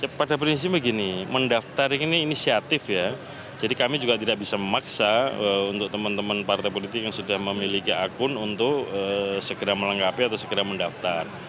ya pada prinsipnya begini mendaftar ini inisiatif ya jadi kami juga tidak bisa memaksa untuk teman teman partai politik yang sudah memiliki akun untuk segera melengkapi atau segera mendaftar